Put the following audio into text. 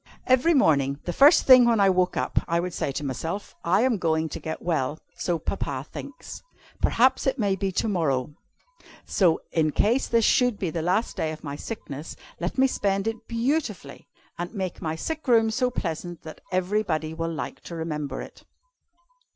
"Every morning, the first thing when I woke up, I would say to myself: 'I am going to get well, so Papa thinks. Perhaps it may be to morrow. So, in case this should be the last day of my sickness, let me spend it _beauti _fully, and make my sick room so pleasant that everybody will like to remember it.'